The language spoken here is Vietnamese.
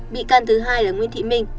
bị can thứ hai là nguyễn thị minh